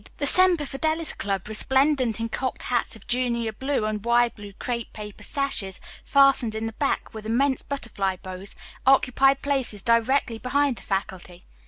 The Semper Fidelis Club, resplendent in cocked hats of junior blue and wide blue crepe paper sashes fastened in the back with immense butterfly bows, occupied places directly behind the faculty.